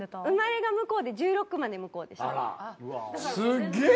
生まれが向こうで１６まで向こうでした。